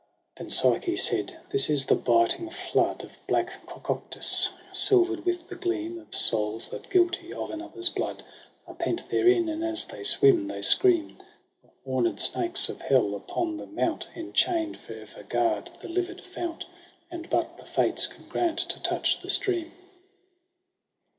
o a 1^6 EROS & PSYCHE 6 Then Psyche said ' This is the biting flood Of black Cocytus, silver'd with the gleam Of souls, that guilty of another's blood Are pent therein, and as they swim they scream. The homed snakes of hell, upon the mount Enchain'd, for ever guard the livid fount : And but the Fates can grant to touch the stream.'